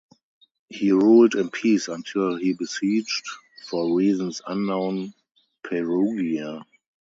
He ruled in peace until he besieged, for reasons unknown, Perugia.